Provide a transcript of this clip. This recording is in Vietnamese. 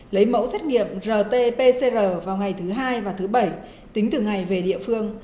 lấy mẫu xét nghiệm rt pcr vào ngày thứ hai và thứ bảy tính từ ngày về địa phương